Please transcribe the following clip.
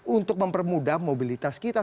untuk mempermudah mobilitas kita